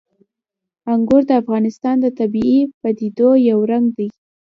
انګور د افغانستان د طبیعي پدیدو یو رنګ دی.